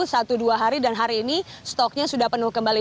satu dua hari dan hari ini stoknya sudah penuh kembali